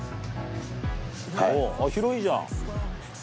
広いじゃん。